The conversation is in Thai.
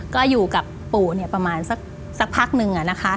ก็อยู่กับปู่ประมาณสักพักนึง